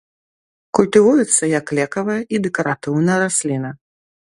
Культывуецца як лекавая і дэкаратыўная расліна.